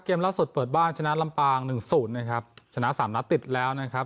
เกมล่าสุดเปิดบ้านชนะลำปางหนึ่งศูนย์นะครับชนะสามนัดติดแล้วนะครับ